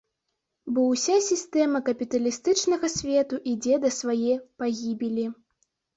Бо ўся сістэма капіталістычнага свету ідзе да свае пагібелі.